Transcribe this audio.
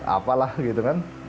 apalah gitu kan